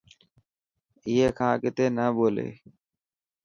اي کان اگتي نه ٻولي.